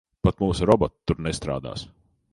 Pat mūsu roboti tur nestrādās.